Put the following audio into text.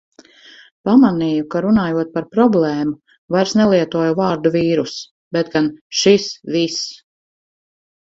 Pamanīju, ka runājot par problēmu, vairs nelietoju vārdu vīruss, bet gan "šis viss".